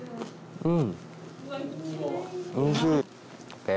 うん！